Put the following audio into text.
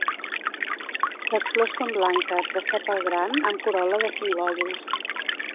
Les flors són blanques de sèpal gran amb corol·la de cinc lòbuls.